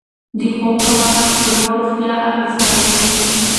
د خوب کمښت د کولمو روغتیا اغېزمنوي.